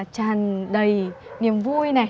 tràn đầy niềm vui